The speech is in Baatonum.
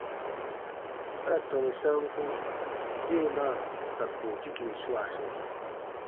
Ba ra tɔnu sanku deemaa ka pootikin swaa sɔɔ.